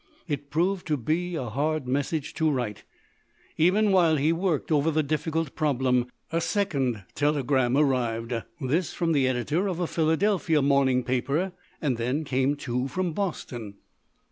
It proved to be a hard message to write. Even while he worked over the difficult problem, a second telegram arrived, this from the editor of a Philadelphia morning paper. Then came two from Boston.